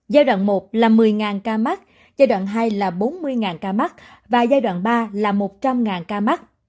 giai đoạn một là một mươi ca mắc giai đoạn hai là bốn mươi ca mắc và giai đoạn ba là một trăm linh ca mắc